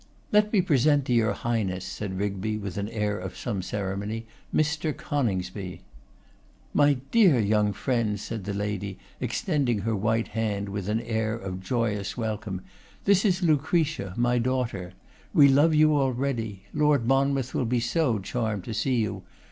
'Let me present to your Highness,' said Rigby, with an air of some ceremony, 'Mr. Coningsby.' 'My dear young friend,' said the lady, extending her white hand with an air of joyous welcome, 'this is Lucretia, my daughter. We love you already. Lord Monmouth will be so charmed to see you.